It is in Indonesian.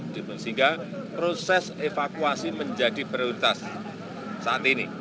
sehingga proses evakuasi menjadi prioritas saat ini